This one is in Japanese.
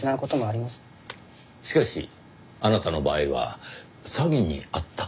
しかしあなたの場合は詐欺に遭った。